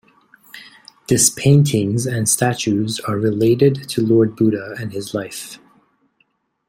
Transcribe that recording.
This paintings and statues are related to Lord Buddha and his life.